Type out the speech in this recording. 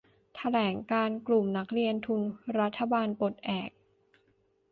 แถลงการณ์กลุ่มนักเรียนทุนรัฐบาลปลดแอก